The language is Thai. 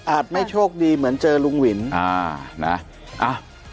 ไม่โชคดีเหมือนเจอลุงวินอ่านะอ่ะ